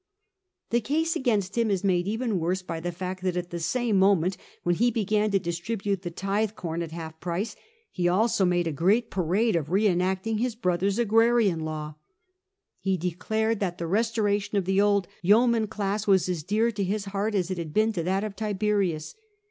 The case against him is made even worse by the fact that at the same moment when he began to distribute the tithe corn at half price, he also made a great parade of re enacting his brother's Agrarian Law. He declared that the restoration of the old yeoman class was as dear to his heart as it had been to that of Tiberius.